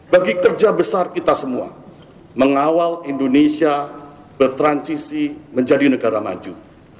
bagi kerja besar kita semua mengawal indonesia bertransisi menjadi negara maju